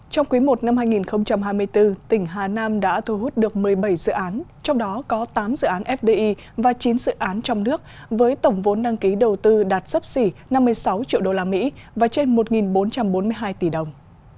trong quý i năm hai nghìn hai mươi bốn tỉnh hà nam đã thu hút được một mươi bảy dự án trong đó có tám dự án fdi và chín dự án trong nước với tổng vốn đăng ký đầu tư đạt sấp xỉ năm mươi sáu triệu usd và trên một bốn trăm bốn mươi hai tỷ đồng